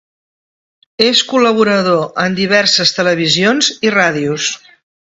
És col·laborador en diverses televisions i ràdios.